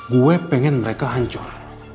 gue pengen mereka hancur